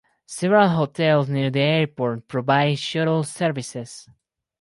Several hotels near the airport provide shuttle services.